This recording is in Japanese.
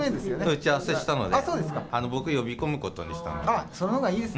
打ち合わせしたので、僕、呼び込むことにしたので。